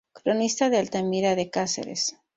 Cronista de Altamira de Cáceres.